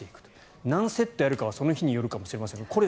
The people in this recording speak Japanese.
何セットやるかはその日によるかもしれません。